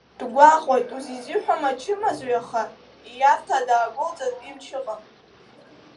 Дгәаҟуеит узизҳәом ачымазаҩ, аха ииарҭа даагәылҵыртә имч ыҟам.